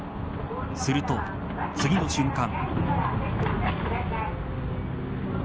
すると次の瞬間。